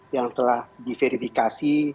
yang telah diverifikasi